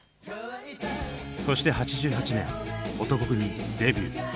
そして８８年男闘呼組デビュー。